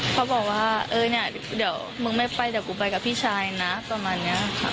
เขาบอกว่าเออเนี่ยเดี๋ยวมึงไม่ไปเดี๋ยวกูไปกับพี่ชายนะประมาณนี้ค่ะ